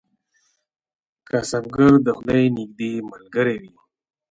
کسبګر د خدای نږدې ملګری وي.